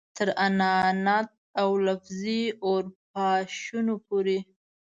تر انانیت او لفظي اورپاشنو پورې.